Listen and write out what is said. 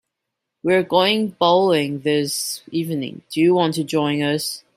We're going bowling this evening, do you want to join us?